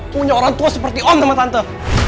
punya orang tua seperti om sama tante